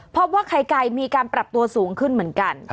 พบว่าไข่ไก่มีการปรับตัวสูงขึ้นเหมือนกัน